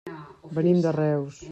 Venim de Reus.